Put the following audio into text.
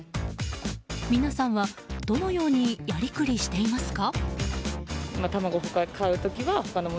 皆さんは、どのようにやりくりしていますか？